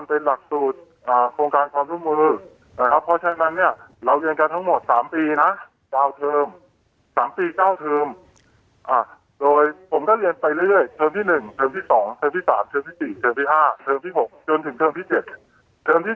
ผมก็เรียนไปเรื่อยเทอมที่๑เทอมที่๒เทอมที่๓เทอมที่๔เทอมที่๕เทอมที่๖จนถึงเทอมที่๗